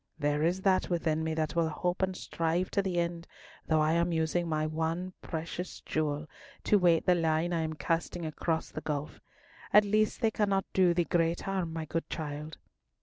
There is that within me that will hope and strive to the end, though I am using my one precious jewel to weight the line I am casting across the gulf. At least they cannot do thee great harm, my good child."